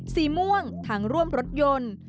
สีม่วงทางร่วมรถยนต์